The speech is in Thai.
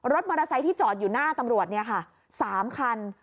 มอเตอร์ไซค์ที่จอดอยู่หน้าตำรวจ๓คัน